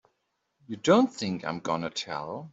You don't think I'm gonna tell!